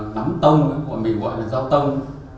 đắm tông mình gọi là dao tông